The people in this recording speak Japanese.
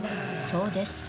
そうですよ。